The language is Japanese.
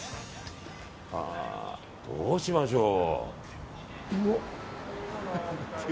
どうしましょう。